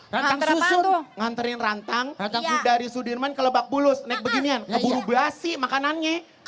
ranteng susun nganterin rantang dari sudirman kelebak bulus naik beginian keburu basi makanannya